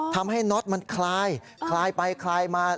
ทำให้น็อตมันคลายคลายไปคลายมา